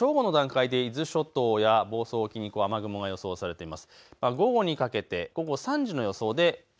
雨の予想、正午の段階で伊豆諸島や房総沖に雨雲が予想されています。